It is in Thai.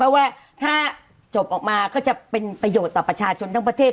เพราะว่าถ้าจบออกมาก็จะเป็นประโยชน์ต่อประชาชนทั้งประเทศ